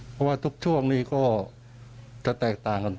เพราะว่าทุกช่วงนี้ก็จะแตกต่างกัน